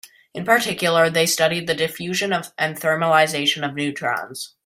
In particular, they studied the diffusion and thermalization of neutrons.